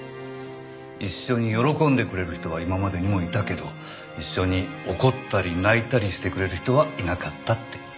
一緒に喜んでくれる人は今までにもいたけど一緒に怒ったり泣いたりしてくれる人はいなかったって。